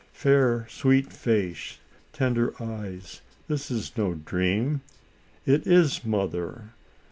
Fair, sweet face, tender eyes: this is no dream; it is Mother!